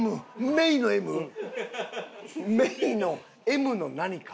芽郁の「Ｍ」の何か？